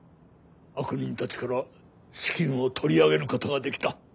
悪人たちから資金を取り上げることができた。